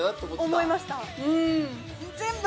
思いました。